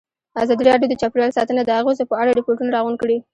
ازادي راډیو د چاپیریال ساتنه د اغېزو په اړه ریپوټونه راغونډ کړي.